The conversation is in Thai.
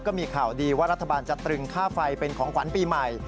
ก็มีข่าวดีว่ารัฐบาลจะตรึงค่าไฟเป็นของขวัญปีใหม่